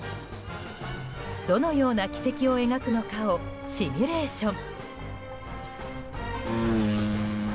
どのような軌跡を描くのかをシミュレーション。